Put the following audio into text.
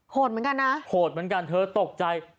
เหมือนกันนะโหดเหมือนกันเธอตกใจ